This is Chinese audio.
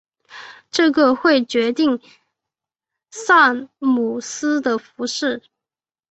这个会决定萨姆斯的服饰。